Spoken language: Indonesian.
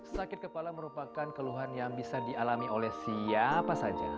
sakit kepala merupakan keluhan yang bisa dialami oleh siapa saja